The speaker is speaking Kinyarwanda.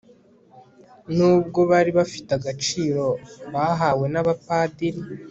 n'ubwo bari bafite agaciro bahawe n'abapadiri